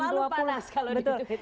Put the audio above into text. selalu panas kalau di twitter